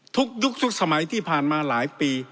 ยุคทุกสมัยที่ผ่านมาหลายปี